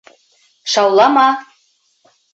Шаулама!